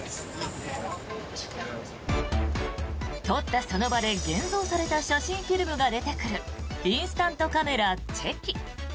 撮ったその場で、現像された写真フィルムが出てくるインスタントカメラ、チェキ。